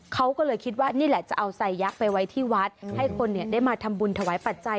เขาก็เลยคิดว่านี่แหละจะเอาไซยักษ์ไปไว้ที่วัดให้คนได้มาทำบุญถวายปัจจัย